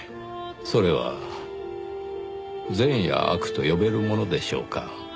それは善や悪と呼べるものでしょうか？